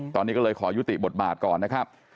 ตอนนี้ก็เลยขอยุติบทบาทก่อนนะครับ